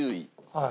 はい。